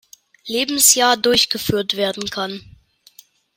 Lebensjahr durchgeführt werden kann.